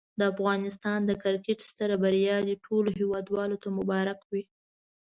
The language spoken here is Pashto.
د افغانستان د کرکټ ستره بریا دي ټولو هېوادوالو ته مبارک وي.